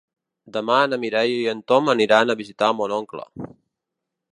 Demà na Mireia i en Tom aniran a visitar mon oncle.